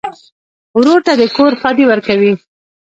ورور ته د کور ښادي ورکوې.